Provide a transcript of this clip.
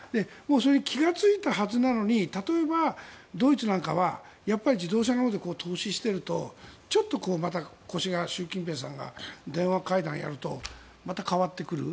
気がついたはずなのに例えば、ドイツなんかは自動車のほうで投資しているとちょっとまた腰が習近平さんが電話会談やるとまた変わってくる。